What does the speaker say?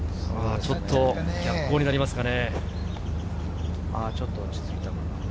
ちょっと逆光になりますかね？